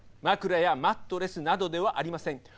枕やマットレスなどではありません。